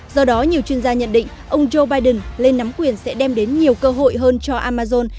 do đó nhiều chuyên gia nhận định ông joe biden lên nắm quyền sẽ đem đến nhiều cơ hội hơn cho amazon